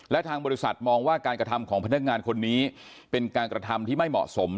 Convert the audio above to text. และทางบริษัทมองว่าการกระทำของพนักงานคนนี้เป็นการกระทำที่ไม่เหมาะสม